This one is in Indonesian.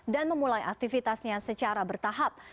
dan memulai aktivitasnya secara bertahap